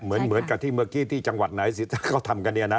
เหมือนกับที่เมื่อกี้ที่จังหวัดไหนเขาทำกันเนี่ยนะ